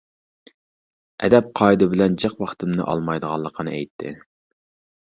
ئەدەپ-قائىدە بىلەن جىق ۋاقتىمنى ئالمايدىغانلىقىنى ئېيتتى.